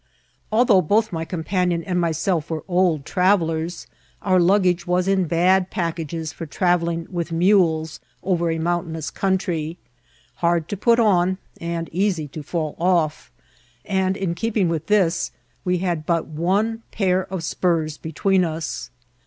Al though both my companion and myself were oUi trav^ ellers, our lu^^age was in bad packages for travelling with mules over a mountainous country— 4iard to put on and easy to taXL off; and, in keeping with this, we had but one pair of spurs between us.